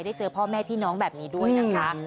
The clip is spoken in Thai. เจอพ่อแม่พี่น้องแบบนี้ด้วยนะคะ